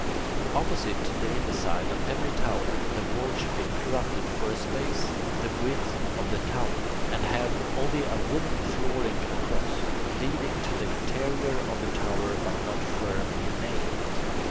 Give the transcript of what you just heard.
Opposite the inner side of every tower the wall should be interrupted for a space the width of the tower, and have only a wooden flooring across, leading to the interior of the tower but not firmly nailed.